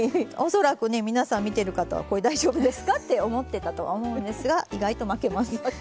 恐らくね皆さん見てる方はこれ大丈夫ですかって思ってたとは思うんですが意外と巻けます。